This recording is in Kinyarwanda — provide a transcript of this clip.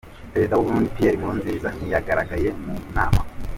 Perezida w’u Burundi Pierre Nkurunziza ntiyagaragaye mu nama.